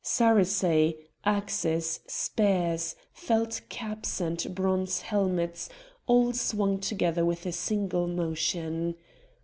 Sarissæ, axes, spears, felt caps and bronze helmets, all swung together with a single motion.